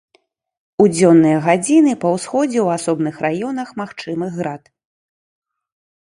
У дзённыя гадзіны па ўсходзе ў асобных раёнах магчымы град.